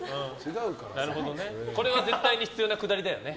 これは絶対に必要なくだりだよね。